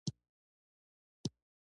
او نه هم دولتي خدمات یې زده کړې په عربي دي